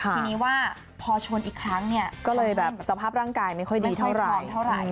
ทีนี้ว่าพอชนอีกครั้งเนี่ยก็เลยแบบสภาพร่างกายไม่ค่อยดีเท่าไหร่